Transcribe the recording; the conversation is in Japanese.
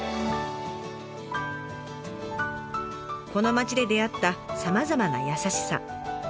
この町で出会ったさまざまな優しさ。